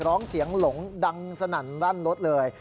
ร้องเสียงหลงดังสนั่นรั่นรถเลย